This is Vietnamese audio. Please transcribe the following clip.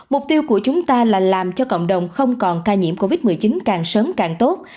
mục tiêu của chúng ta là làm cho cộng đồng không còn ca nhiễm covid một mươi chín càng sớm càng tốt